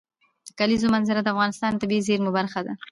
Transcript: د کلیزو منظره د افغانستان د طبیعي زیرمو برخه ده.